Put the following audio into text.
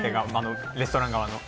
レストラン側の。